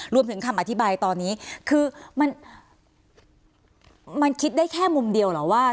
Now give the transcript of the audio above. คำอธิบายตอนนี้คือมันคิดได้แค่มุมเดียวเหรอว่า